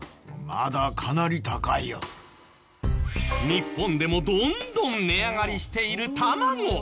日本でもどんどん値上がりしている卵。